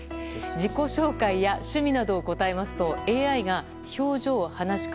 自己紹介や趣味などを答えるとＡＩが表情、話し方